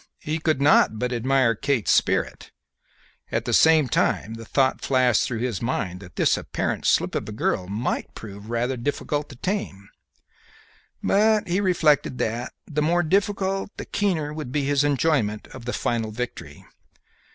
He could not but admire Kate's spirit; at the same time the thought flashed through his mind that this apparent slip of a girl might prove rather difficult to "tame;" but he reflected that the more difficult, the keener would be his enjoyment of the final victory.